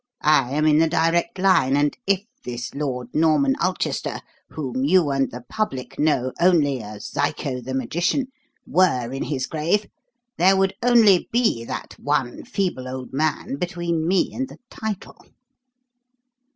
I am in the direct line, and if this Lord Norman Ulchester, whom you and the public know only as 'Zyco the Magician,' were in his grave there would only be that one feeble old man between me and the title."